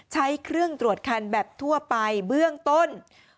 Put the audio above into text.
ใช้เครื่องตรวจคันแบบทั่วไปเบื้องต้น